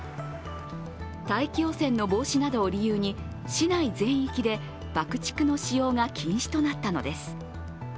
大気汚染の防止などを理由に市内全域で爆竹の使用が禁止となったのです。